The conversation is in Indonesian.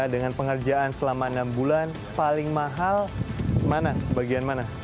dengan pengerjaan selama enam bulan paling mahal mana bagian mana